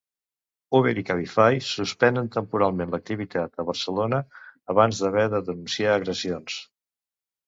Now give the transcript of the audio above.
Uber i Cabify suspenen temporalment l'activitat a Barcelona abans d'haver de denunciar agressions.